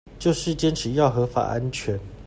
就是堅持要合法安全